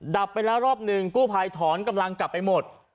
ดับไปแล้วรอบหนึ่งกู้ภัยถอนกำลังกลับไปหมด